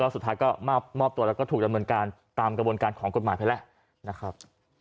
สุดท้ายก็มอบตัวแล้วก็ถูกดำเนินการตามกระบวนการของกฎหมายไปแล้วนะครับ